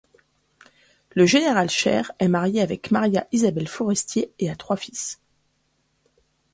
Le général Cheyre est marié avec María Isabel Forestier et a trois fils.